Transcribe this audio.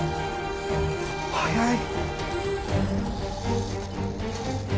早い！